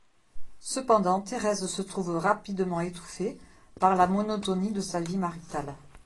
Cependant, Thérèse se trouve rapidement étouffée par la monotonie de sa vie maritale.